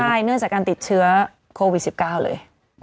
ใช่เนื่องจากการติดเชื้อโควิด๑๙เลย